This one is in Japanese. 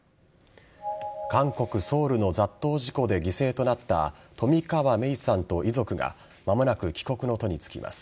韓国・ソウルの雑踏事故で犠牲となった冨川芽生さんと遺族が間もなく帰国の途につきます。